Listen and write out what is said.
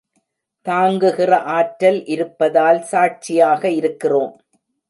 தாங்குகிற ஆற்றல் இருப்பதால் சாட்சியாக இருக்கிறோம்.